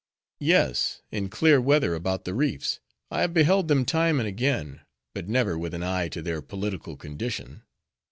"Yes: in clear weather about the reefs, I have beheld them time and again: but never with an eye to their political condition."